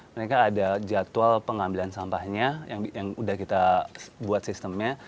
mereka ada jadwal pengambilan sampahnya yang sudah kita buat sistemnya